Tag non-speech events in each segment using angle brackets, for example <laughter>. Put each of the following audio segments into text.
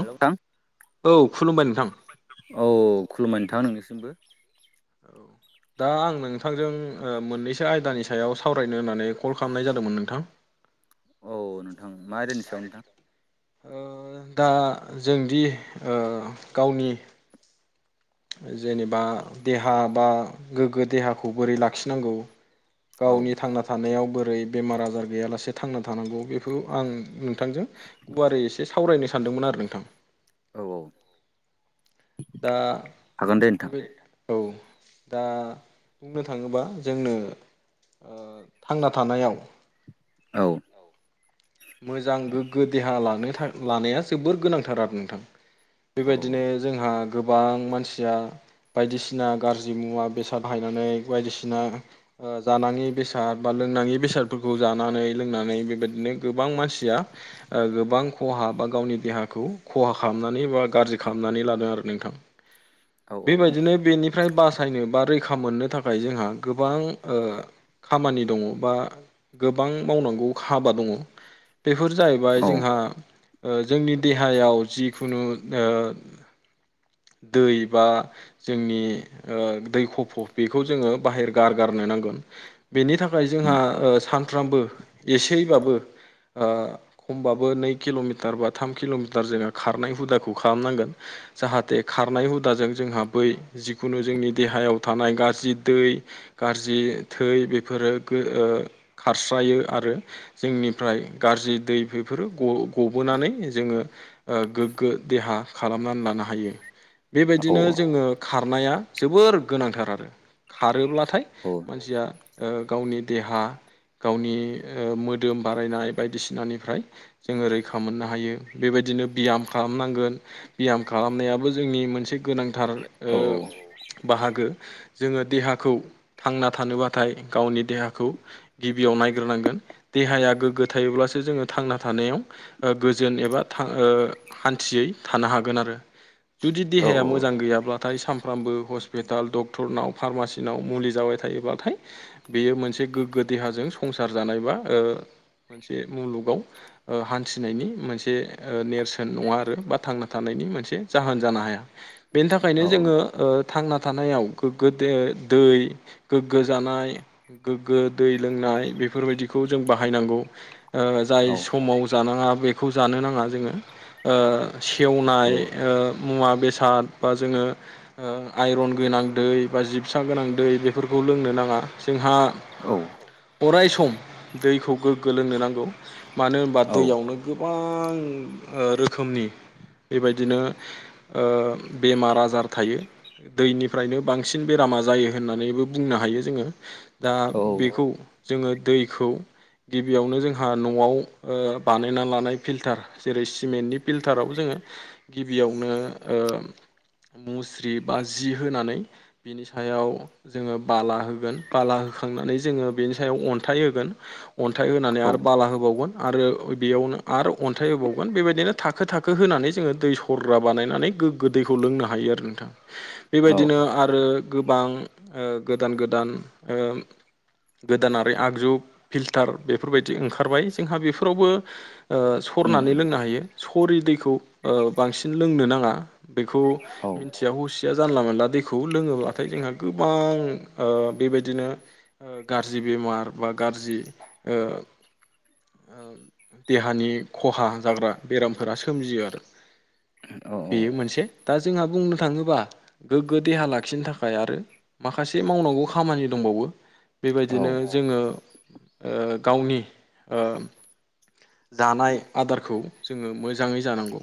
हेल' नोंथां औ। खुलुमबाय नोंथां नोंनिसिमबो औ। दा आं नोंथांजों मोननैसो आयदानि सायाव सावरायनो होननानै कल खालामनाय जादोंमोन नोंथां। <inaudible> औ नोंथां मा आयदानि सायाव नोंथां। दा जोंदि गावनि जेनेबा देहा बा गोग्गो देहाखौ बोरै लाखिनांगौ गावनि थांना थानायाव बोरै बेमार आजार गैयालासे थांना थानांगौ बेखौ आं नों थांजों गुवारै एसे सावरायनो सानदोंमोन आरो नोंथां। औ औ दा बे औ दा बुंनो थाङोबा जोंनो। ओ थांना थानायाव औ मोजां गोग्गो देहा ला था लानाया जोबोर गोनांथार आरो नोंथां। बेबायदिनो जोंहा गोबां मानसिया बायदिसिना गाज्रि मुवा बेसाद बाहायनानै बायदिसिना ओ जानाङि बेसाद बा लोंनाङि बेसादफोरखौ जानानै लोंनानै बेबायदिनो गोबां मानसिया ओ गोबां खहा बा गावनि देहाखौ खहा खालामनानै बा गाज्रि खालाम नानै लानो आरो नोंथां। बेबायदिनो बेनिफ्राय बासा सायनो बा रैखा मोननो थाखाय जोंहा गोबां ओ खामानि दङ बा गोबां मावनांगौ हाबा दङ। बेफोर जाहैबाय जोंहा। ओ जोंनि देहायाव जिखुनु ओ दै बा जोंनि ओ दै खफ' बेखौ जोङो बाहेर गारगारनो नांगोन। बेनि थाखाय जोंहा ओ सानफ्रामबो एसेबाबो ओ खमबाबो नै किल'मिटार बा थाम किल'मिटार जोङो खारनाय हुदाखौ खालामनांगोन। जाहाथे खारनाय हुदाजों जोंहा बै जिखुनु जोंनि देहायाव थानाय गाज्रि दै गाज्रि थै बेफोरो गो ओ खारस्रायो आरो जोंनि फ्राय गाज्रि दै बेफोरो ग ' गबोनानै जोङो गोग्गो देहा खाला मनानै लानो हायो। बेबायदिनो जोङो खारनाया जोबोर गोनांथार आरो खारोब्ला थाय मानसिया ओ गावनि देहा गावनि ओ मोदोम बारायनाय बायदिसिनानिफ्राय जोङो रैखा मोननो हायो बेबायदिनो बियाम खालामनांगोन। ब्याम खालामनायाबो जोंनि मोनसे गोनांथार ओ बाहागो। जोङो देहाखौ थांना थानोबाथाय गावनि देहाखौ गिबियाव नायग्रोनांगोन। देहाया गोग्गो थायोब्लासो जोङो थांना थानायाव ओ गोजोन एबा ओ हान्थियै थानो हागोन। गोन आरो जुदि देहाया मोजां गैयाब्ला। नाथाय सानफ्रामबो हस्पिटाल डक्टरनाव फार्मासिनाव मुलि जाबाय थायोब्लाथाय बेयो मोनसे। गोग्गो देहाजों संसार जानायबा ओ मोनसे मुलुगाव ओ हान्थिनायनि मोनसे ओ नेरसोन नङा आरो बा थांना थानाय मोनसे जाहोन जानो हाया बेनि थाखायनो जोङो ओ थांना थानायाव गोगो दे दो दै गोग्गो जानाय गोग्गो दै लोंनाय बेफोरबायदिखौ जों बाहायनांगौ। ओ जाय समाव जानाङा बेखौ जानो नाङा जोङो ओ सेवनाय ओ मुवा बेसाद बा जोङो ओ आइरन गोनां दै बा जिबसा गोनां दै बेफोरखौ लोंनो नाङा जोंहा अराय सम दैखौ गो गो लोंनो नांगौ मानो होनबा दैयावनो गोबां ओ रोखोमनि बेबायदिनो ओ बेमार आजार थायो दैनिफ्रायनो बांसिन बेराम। मा जायो होननानै बुंनो हायो जोङो दा बेखौ जोङो दैखौ गिबियावनो जोंहा न'आव ओ बानायना लानाय फिल्टार जेरै सिमेन्टनि फिल्टाराव जोङो। गिबियावनो ओ मुस्रि बा जि होनानै बिनि सायाव जोङो बाला होगोन बाला होखांनानै जोङो बेनि सायाव अन्थाइ होगोन। अन्थाइ होनानै आरो बाला होबावगोन आरो बेयावनो आरो अन्थाइ होबावगोन बेबायदिनो थाखो थाखो होनानै जोङो दै सरग्रा बानायनानै गोगो दैखौ लोंनो हायो आरो नोंथां बेबायदिनो आरो गोबां ओ गोदान गोदान ओ गोदानारि आगजु फिल टार बेफोरबायदि ओंखारबाय। जोंहा बेफोरावबो ओ सरनानै लोंनो हायो। सरि दैखौ ओ बांसिन लोंनो नाङा बेखौ मिनथि हस सिया जानला मोनला दैखौ लोङोब्लाथाय जोंहा गोबां ओ बेबायदिनो ओ गारजि बेमार बा गारजि ओ ओम देहानि खहा जाग्रा बेरामफोरा सोमजियो आरो। बियो मोनसे दा जोंहा बुंनो थाङोबा गोग्गो देहा लाखिनो थाखाय आरो माखासे मावनांगौ खामानि दंबा बावो बेबायदिनो जोङो ओ गावनि ओम जानाय आदारखौ जोङो मोजाङै जानांगौ।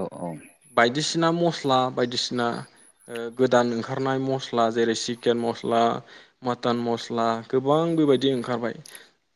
औ औ। सिना मस्ला बायदिसिना ओ गोदान ओंखारनाय मस्ला जेरै चिकेन मस्ला मोटोन मस्ला गोबां बेबाय दि ओंखारबाय।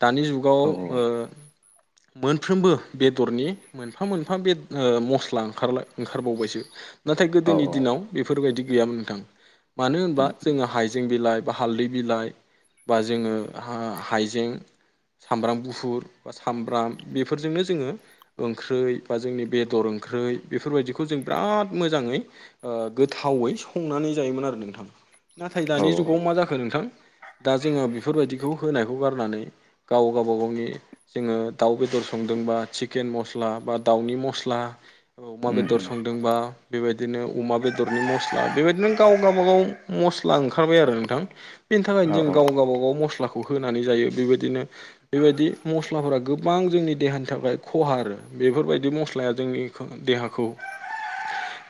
दानि जुगाव ओ मोनफ्रोमबो बेदरनि मोनफा मोनफा बेद ओ मस्ला ओंखारला ओंखारबावबायसो। नाथाय गोदोनि दिनाव बे फोरबायदि गैयामोन नोंथां। मानो होनबा जोङो हाइजें बिलाइ बा हालदै बिलाइ बा जोङो हा हाइजें सामब्राम गुफुर बा सामब्राम बेफोरजोंनो जोङो ओंख्रै बा जोंनि बेदर ओं ख्रै बेफोरबायदिखौ जों बिराद मोजाङै ओ गोथावै संनानै जायोमोन आरो नोंथां। नाथाय दानि जुगाव मा जाखो नोंथां दा जोङा बेफोरबायदि खौ होनायखौ गारनानै गाव गा बागावनि जोङो दाउ बेदर संदोंबा चिकेन मस्ल' ला बा दाउनि मस्ला ओ अमा बेदर संदोंबा बेबायदिनो अमा बेदरनि मस्ला बेबायदिनो गाव गा बागाव मस्ला ओंखारबाय आरो नोंथां। बिनि थाखायनो जों गाव गा बागाव मस खौ होनानै जायो बेबायदिनो बेबायदि मस्लाफोरा गोबां जोंनि देहानि थाखाय खहा आरो। बेफोरबायदि मस्लाया जोंनि देहाखौ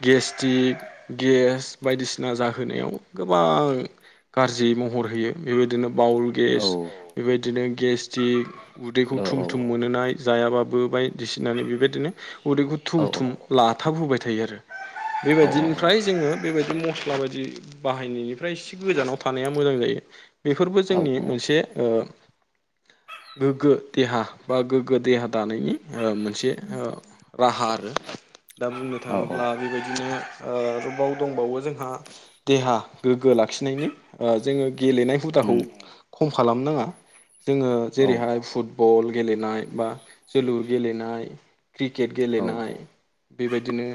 गेस्टिक गेस बायदिसिना जाहोनायाव गोबां गारज्रि महर होयो बेबायदिनो बाउल गेस बेबायदिनो गेसटिक उदैखौ थुम थुम मोनहोनाय जायाबाबो बायदिस थिनानै बेबायदिनो उदैखौ थुम थुम लाथाब होबाय थायो आरो। बेबायदिनिफ्राय जोङो बेबायदि मस्ला बायदि बाहायनायनिफ्रायसे गोजानाव थानाया मोजां जायो। बेफोरबो जोंनि मोनसे ओ गोग्गो देहा बा गोग्गो देहा दानायनि ओ मोनसे ओ राहा आरो। दा बुंनो थाङोब्ला बेबाय दिनो ओ रबाव दंबावो जोंहा देहा गोग्गो लाखिनायनि ओ जोङो गि गेलेनाय हुदाखौ खम खालाम नाङा। जोङो जेरैहाय फुटबल गेलेनाय बा जोलुर गेलेनाय क्रिकेट गेलेनाय बेबायदिनो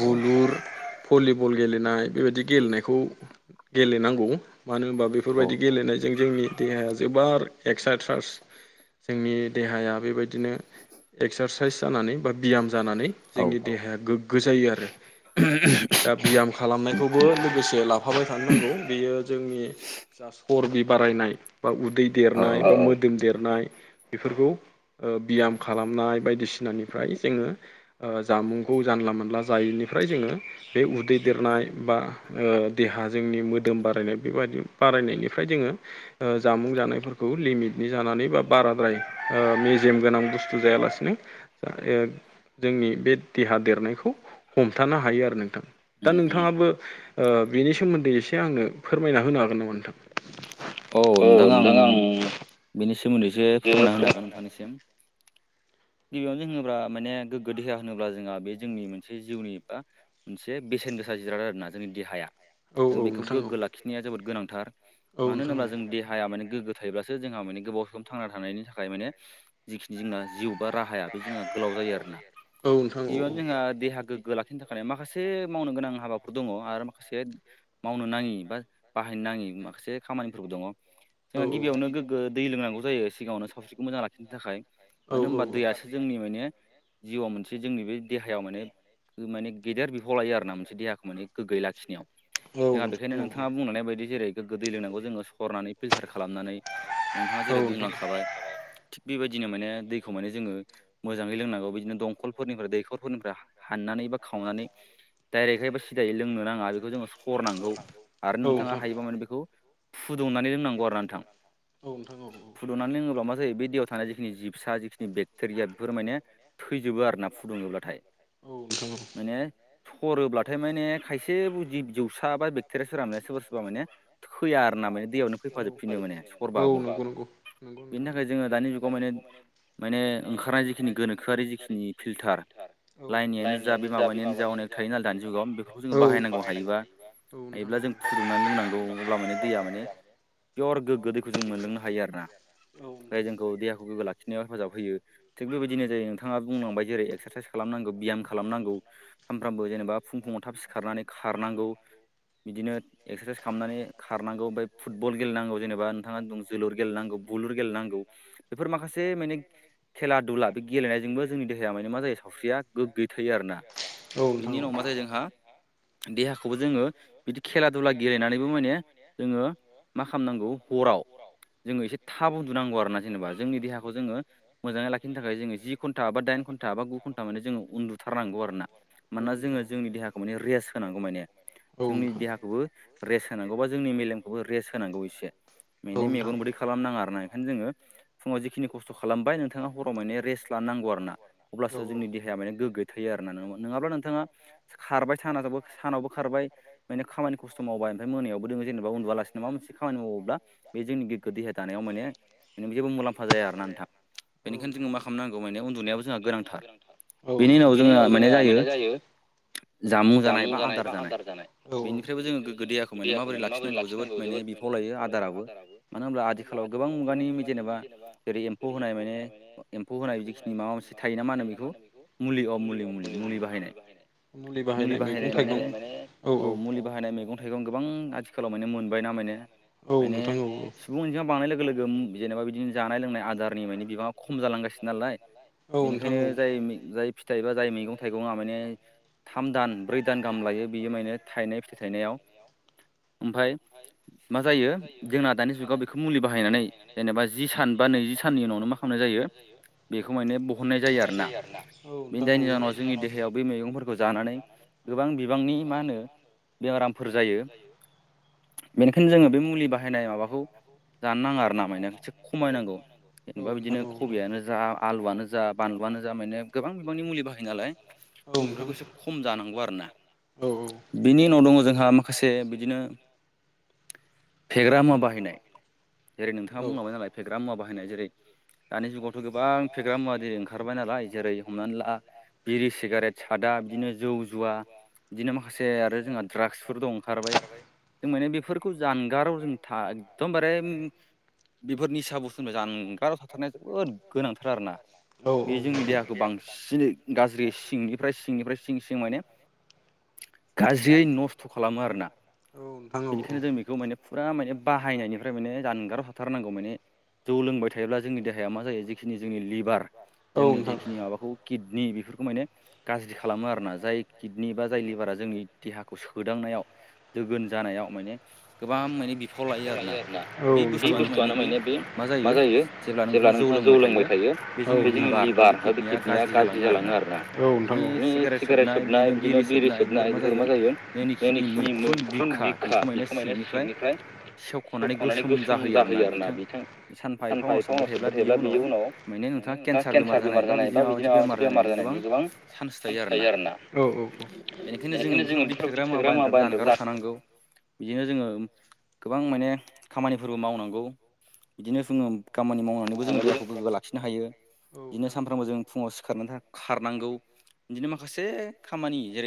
बुलुर भलिबल गेलेनाय बेबायदि गेलेनायखौ गेलेनांगौ मानो होनबा बेफोरबायदि गेलेनाय जों जोंनि देहाया जोबार एक्सारसारस जोंनि देहाया बेबायदिनो एक्सारसाइस जानानै बा बियाम जानानै जोंनि देहाया गोग्गो जायो आरो। <unintelligible> खालामनायखौबो लोगोसे लाफाबाय थानो नांगौ बेयो जोंनि जा सरबि बारायनाय बा उदै देरनाय बा मोदोम देर खारनाय बिफोरखौ ओ बियाम खालामनाय बायदि सिनानिफ्राय जोङो ओ जा जामुंखौ जानला मोनला जायैनिफ्राय जोङो बे उदै देरनाय बा ओ देहाजों इ मोदोम बारायनाय बेबादि बारायनायनिफ्राय जोङो ओ जामुं जानायफोरखौ लिमिटनि जानानै बा बाराद्राय ओ मेजेम गोनां बुस्थु जाया लासिनो जा ओ जोंनि बे देहा देरनायखौ हमथानो हायो आरो नोंथां। दा नोंथाङाबो ओ बेनि सोमोन्दै एसे आंनो फोरमायना होनो हागोन नामा नोंथां? औ नोंथां आं बेनि सोमोन्दैसो फोरमायना होनो हागोन नोंथांनिसिम गिबियावनो जोङोब्ला माने गोग्गो देहा होनोब्ला जोंहा बे जोंनि मोनसे जिउनि बा मोनसे बेसेन गोसा जिराद आरोना जोंनि देहाया जों बेखौ गोग्गो लाखिनाया जोबोद गोनांथार मानो होनोब्ला जों देहाया माने गोग्गो थायोब्लासो जोंहा माने गोबाव सम थांना थानायनि थाखाय माने जिखिनि जोंना जिउ राहाया बे जोंना गोलाव जायो आरोना गिबियावनो देहा गोग्गो लाखि बेनि थाखाय माखासे मावनो गोनां हाबाफोर दङ आरो माखासे मावनो नाङि बा बाहायनो नाङि माखासे खामानिफोरबो दङ जोंहा गिबियावनो गोग्गो दै लोंनांगौ जायो सिगाङावनो सावस्रिखौ मोजां लाखिनो थाखाय मानो होनबा दैयासो जोंनि माने जिउआव मोनसे जोंनि बे देहायाव माने माने गेदेर बिफाव लायो आर ना मोनसे देहाखौ माने गोग्गय लाखिनायाव जोंहा बेखायनो नोंथाङा बुंनानै बायदि जेरै गोग्गो दै लोंनांगौ जोङो सारनानै फिलथार खालामो खालामनानै नोंथाङा जेरै बुंलांखाबाय थिग बेबायदि बिदिनो माने दैखौ माने जोङो मोजाङै लोंनांगौ बिदिनो दंखलफोरनिफ्राय दैखरफोरनिफ्राय हाननानै बा सावनानै डाइरेक्टहायबा सिदायै लोंनो नाङा बेखौ जोङो हरनांगौ आरो नोंथाङा हायोबा माने बेखौ फुदुंनानै रोंनांगौ आरो नोंथां। औ नोंथां औ औ। बे दैयाव थानाय जिखिनि जिबसा जा जिखिनि बेग रिया बेफोर माने थैजोबो आरोना फुदुंजोब्लाथाय माने सरोब अब्लाथाय माने खायसे जि जौसा बा बेक्टेरिया सोरनायया सोरबा सोरबा माने फैया आर ना माने दैयावनो फैफाजोबफिनो माने सरबाबो बिनि थाखाय जोङो दानि जुगाव माने माने ओंखार जिखिनि गोनोआि जिखनि पिल्टार लाइनियनो जा बे माबानियानो जा अनेक थाय नालाय दानि जुगाव बेफोरखौ जोंङ बाहायनांगौ हायोबा हायोब्ला जों फुदुंनानै लोंनांगौ अब्ला माने दैया माने पियर गोग्गो दैखौ जों मोनलोंनो हायो आरो ना। ज जोंखौ देहाखौ गोग्गो लाखिनायाव हेफाजाब होयो। बेबायदिनो जायो नोंथाङा बुंलांबाय जेरै एक्सारसाइस खालामनांगौ बियाम खालामनांगौ सामफ्रामबो जेनेबा फुं फुङाव था ब सिखारनानै खारनांगौ बिदिनो एक्सारसाइस खामनानै खारनांगौ ओमफ्राय फुटबल गेलेनांगौ जेनेबा नोंथाङा बुं लुर गेलेनांगौ बेफोर माखा से माने खेला बा दुला बे गेलेनायजोंबो जोंनि देहाया माने मा जायो सावस्रिया गोग्गै थायो आरोना बिनि उनाव मा जायो जोंहा देहाखौबो जोङो बिदि खेला दुला गेलेनानैबो माने जोङो मा खामनांगौ हराव जोङो एसे थाब उन्दुनांगौ आरोना जेनबा जोंनि देहाखौ जोङो मोजाङै ला खिनो थाखाय जोङो जि घटा बा दाइन घन्टा बा गु घन्टा माने जों उन्दुथारनांगौ आरोना मानोना जोङो जोंनि दे हाखौ रेस होनांगौ माने जोंनि देहाखौबो रेस होनांगौबा जोंनि मेलेमखौबो रेस्ट होनांगौ एसे बेनो मेगन मोदै खालामनाङा आरो ना ओखायनो जोङो फुङाव जिखिनि खस्थ' खालामबाय नोंथाङा हर राव माने रेस लानांगौ आरो ना अब्लासो जोंनि देहाया माने गोग्गो थायो आरोना नङाब्ला नोंथाङा खारबाय सानाजाबो सानावबो खारबाय माने खामानि खस्थ' मावबाय ओमफ्राय मोनायावबो जेनेबा उन्दुवलासिनो माबा मोनसे खामानि मावोब्ला बे जोंनि गोग्गो देहा दानायाव माने जेबो मुलाम्फा जाया आरोना नोंथां। बेनिखायनो जोङो मा खालामनांगौ माने उन्दुनायाबो जोंहा गोनांथार बेनि उनाव जोङो माने जायो। जामुं जानाय बा आदार जानाय बेनिफ्रायबो जोङो गोग्गो दैयाखौ माने माबोरै लानांगौ जोबोद माने बिफाव लायो आदाराबो मानो होनब्ला आथिखालाव गोबां मुगानि जेनेबा जेरै एम्फौ होनाय माने एम्फौ होनाय जिखिनि माबा मोनसे थायो ना मा होनो बेखौ मुलि अ‌ मुलि मुलि मुलि बाहायनाय मुलि बाहायनाय माने औ मुलि बाहायनाय मैगं थाइगं गोबां आथि खालाव माने मोनबायना माने माने सुबुं अनजिमा बांनाय लोगो लोगो जेनेबा बिदिनो जानाय लोंनाय आदारनि बिबाङा खम जालांगासिनो नालाय बेनिखायनो जाय जाय फिथाइ बा जाय मैगं थाइगङा माने थाम दान ब्रै दान गाहाम लायो बियो माने थायनाय फिथाइ थायनायाव ओमफ्राय मा जायो जोंना दानि जुगाव बेखौ मुलि बाहायनानै जेनेबा जि सान बा नैजि साननि उ नावनो मा खालामनाय जायो बेखौ माने बहननाय जायो आरोना बे जायनि जाहोनाव जोंनि देहायाव बे मैगंफोरखौ जानानै गोबां बिबांनि मा होनो बेरारामफोर जायो। <inaudible> बेनिखायनो जोङो बे मुलि बाहायनाय माबाखौ जानो नाङा आरो ना माने एसे खमायनांगौ। जेनेबा बिदिनो खबियानो जा आलुआनो जा बानलुआनो जा माने गोबां बिबांनि मुलि बाहायो नालाय जों बेफोरखौ एसे खम जानांगौ आरोना बिनि उनाव दङ जोंहा माखासे बिदिनो <inaudible> फेग्रा मुवा बाहायनाय जेरै नोंथाङा बुंलांबाय नालाय फेग्रा मुवा बाहायनाय जेरै दानि जुगावथ' गोबां फेग्रा मुवा ओंखारबाय नालाय जेरै हमनानै ला बिरि सिगारेट सादा दा बिदिनो जौ जुवा बिदिनो माखासे आरो जोंहा द्राग्सफोर दं ओंखारबाय। जों माने बेफोरखौ जानगाराव जों था एकदमबारे बिफोर निसा बुस्थुनिफ्राय जानगाराव थाथारनाया जोबोद गोनांथार आरोना। बे जोंनि देहाखौ बांसिनै गाज्रि सिंनिफ्राय सिंनिफ्राय सिं सिं माने <inaudible> गाज्रियै नस्थ' खालामो आरोना बेनिखायनो जों बेखौ माने फुरा माने बाहायनायनिफ्राय माने जानगाराव थाथारनांगौ माने जौ लोंबाय थायोब्ला जोंनि देहाया मा जायो जिखिनि जोंनि लिभार जोंनि जिखिनि माबाखौ किडनि बेफोरखौ माने गाज्रि खालामो आरोना जाय किडनि बा जाय लिभारा जोंनि देहाखौ सोदांनायाव दोगोन जानायाव माने लायो आरोना बे बुस्थुआनो माने बे मा जायो जे‌ ब्ला नोंथाङा जौ लोंबाय थायो बे जोंनि लिभार ओमफ्राय बे किडनिया गाज्रि जालाङो आरोना। नों सिगारेट सोबनाय बिदिनो बिरि सोबनाय बेफोर मा जाहैगोन बै नोंसिनि मैखुन बिखा बेखौ माने सिंनिफ्राय सेवख'नानै गोसोम जाहोयो आरोना बिथां सानफा एफा सोबबाय थायोब्ला बिनि उनाव माने नोंथाङा केन्सार बेमार जानाय बा बिदिनो माबा मोनसे बेमार जानाय नि गोबां चान्स थायो आरोना बेनिखायनो जोङो बेफोरबायदि फेग्रा मुवा <unintelligible> थानांगौ बिदिनो जोङो गोबां माने खामानिफोरबो मावनांगौ बिदिनो जोङो खामानि मावनानैबो जोङो देहाखौ गोग्गो लाखिनो हायो। बिदिनो सानफ्रामबो जों फुङाव सिखारनानै खारनांगौ बिदिनो माखासे खामानि जेरै